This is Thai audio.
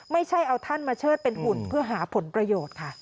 ไม่ใช่เอาท่านมาเชิดเป็นหุ่นเพื่อหาผลประโยชน์ค่ะ